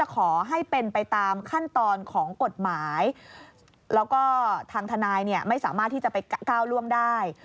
คันตอนของกฎหมายแล้วก็ทางทนายไม่สามารถที่จะไปก้าวร่วมได้